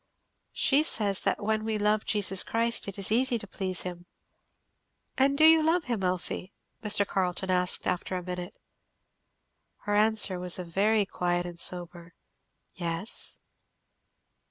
"She says that when we love Jesus Christ it is easy to please him." "And do you love him, Elfie?" Mr Carleton asked after a minute. Her answer was a very quiet and sober "Yes."